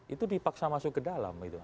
itu dipaksa masuk ke dalam